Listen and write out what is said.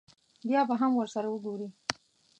بیا به هم ورسره وګوري.